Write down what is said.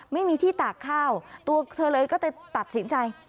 ไม่มีที่ตากข้าวตัวเธอเลยก็เลยตัดสินใจ